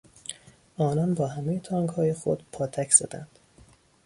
آنان با همهی تانکهای خود پاتک زدند.